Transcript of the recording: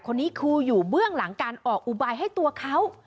คนนี้คืออยู่เบื้องหลังการออกอุบายให้ตัวเขา